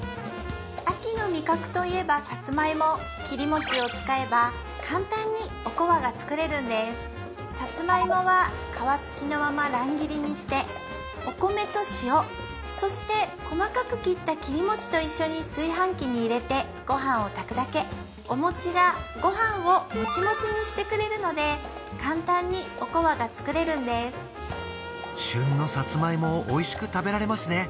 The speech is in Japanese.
秋の味覚といえばさつまいも切り餅を使えば簡単におこわが作れるんですさつまいもは皮つきのまま乱切りにしてお米と塩そして細かく切った切り餅と一緒に炊飯器に入れてごはんを炊くだけお餅がごはんをモチモチにしてくれるので簡単におこわが作れるんです旬のさつまいもをおいしく食べられますね